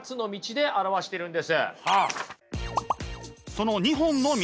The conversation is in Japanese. その２本の道。